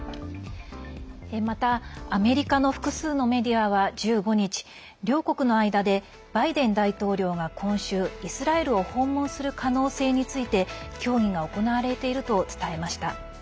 またアメリカの複数のメディアは１５日両国の間でバイデン大統領が今週イスラエルを訪問する可能性について協議が行われていると伝えました。